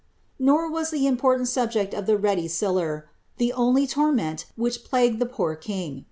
" Nor was the important subject of the "ready siller" ihe nnlv tor ment which plagued the poor king.